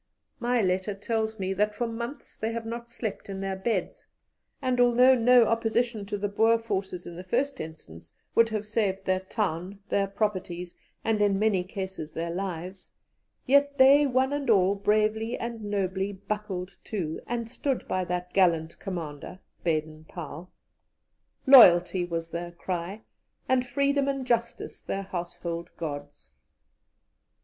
My letter tells me that for months they have not slept in their beds, and although no opposition to the Boer forces in the first instance would have saved their town, their properties, and in many cases their lives, yet they one and all bravely and nobly 'buckled to,' and stood by that gallant commander, Baden Powell. Loyalty was their cry, and freedom and justice their household gods.